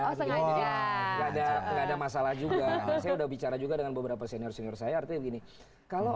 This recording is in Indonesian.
enggak ada enggak ada masalah juga saya udah bicara juga dengan beberapa senior senior saya artinya begini kalau